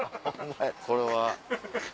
これは。